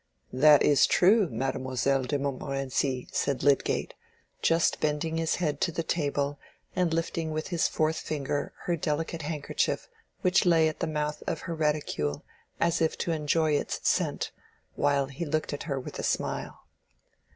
"That is true, Mademoiselle de Montmorenci," said Lydgate, just bending his head to the table and lifting with his fourth finger her delicate handkerchief which lay at the mouth of her reticule, as if to enjoy its scent, while he looked at her with a smile.